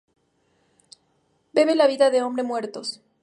Bebe la vida de hombre muertos.